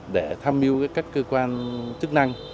để tham mưu các cơ quan chức năng